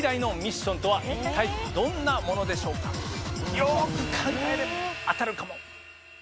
よく考えれば当たるかも。